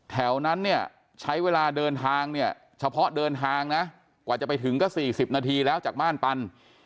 แถวนั้นเนี่ยใช้เวลาเดินทางเนี่ยเฉพาะเดินทางนะกว่าจะไปถึงก็๔๐นาทีแล้วจากบ้านปัน